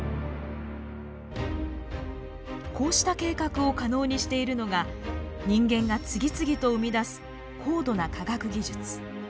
こうした計画を可能にしているのが人間が次々と生み出す高度な科学技術。